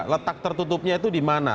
letak tertutupnya itu di mana